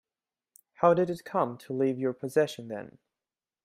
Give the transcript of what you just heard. How did it come to leave your possession then?